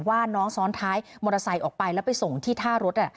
ว่าน้องซ้อนท้ายมอเตอร์ไซค์ออกไปแล้วไปส่งที่ท่ารถ